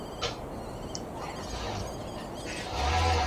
白俄是一种白色的甜鸡尾酒。